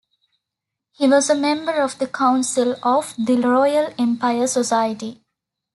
He was a member of the Council of the Royal Empire Society.